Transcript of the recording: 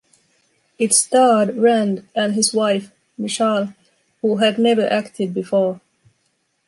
It starred Rand, and his wife, Michal, who had never acted before.